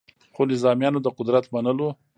خو نظامیانو د قدرت منلو